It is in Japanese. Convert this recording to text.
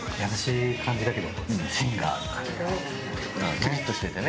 キリッとしててね。